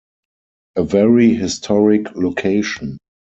A very historic location.